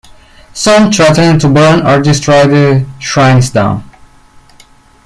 Some threatened to burn or destroy the shrines down.